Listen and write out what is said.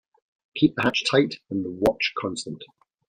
Keep the hatch tight and the watch constant.